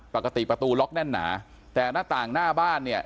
ประตูล็อกแน่นหนาแต่หน้าต่างหน้าบ้านเนี่ย